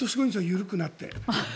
緩くなって。